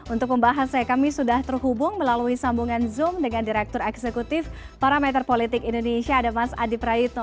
untuk pembahasnya kami sudah terhubung melalui sambungan zoom dengan direktur eksekutif parameter politik indonesia ada mas adi prayitno